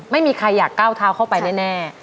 ไม่มีใครอยากก้าวเท้าเข้าไปแน่